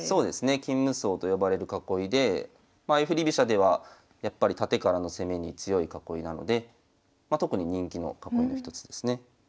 金無双と呼ばれる囲いでまあ相振り飛車ではやっぱりタテからの攻めに強い囲いなので特に人気の囲いの一つですね。